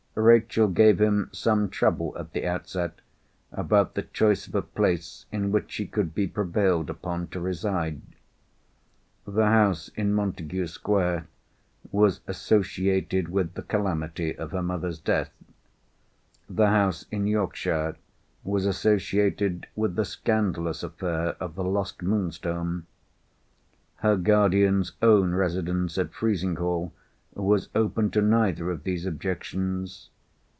Rachel gave him some trouble at the outset, about the choice of a place in which she could be prevailed upon to reside. The house in Montagu Square was associated with the calamity of her mother's death. The house in Yorkshire was associated with the scandalous affair of the lost Moonstone. Her guardian's own residence at Frizinghall was open to neither of these objections.